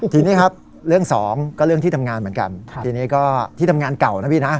ทีนี้ครับเรื่องสองก็เรื่องที่ทำงานเหมือนกันทีนี้ก็ที่ทำงานเก่านะพี่นะ